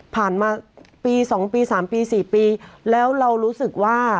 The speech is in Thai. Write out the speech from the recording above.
ผ่านมาปี๒ปี๓ปี๔ปีแล้วเรารู้สึกว่า